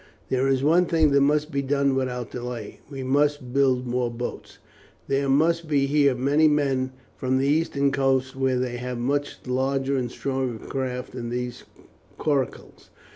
There is one thing that must be done without delay; we must build more boats. There must be here many men from the eastern coast, where they have much larger and stronger craft than these coracles.